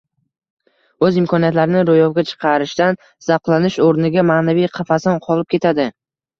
o‘z imkoniyatlarini ro‘yobga chiqarishdan zavqlanish o‘rniga ma’naviy qafasda qolib ketadi